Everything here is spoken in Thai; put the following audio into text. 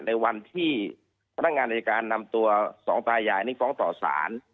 ในวันที่พนักงานอายการนำตัวสองตายายนี่ฟ้องต่อสาร